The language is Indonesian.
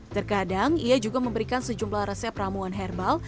terkadang ia juga memberikan sejumlah resep ramuan herbal